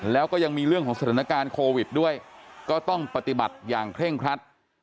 แล้วก็ยังมีเรื่องของสถานการณ์โควิดด้วยก็ต้องปฏิบัติอย่างเคร่งครัด